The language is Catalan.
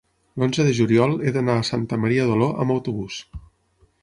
l'onze de juliol he d'anar a Santa Maria d'Oló amb autobús.